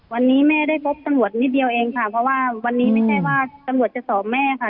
วันนี้แม่ได้พบตำรวจนิดเดียวเองค่ะเพราะว่าวันนี้ไม่ใช่ว่าตำรวจจะสอบแม่ค่ะ